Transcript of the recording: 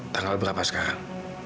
tanggal berapa sekarang